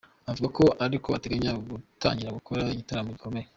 Avuga ariko ko ateganya gutangira gukora ibitaramo bikomeye.